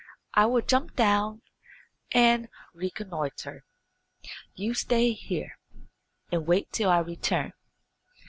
I will jump down and reconnoitre. You stay here, and wait till I return."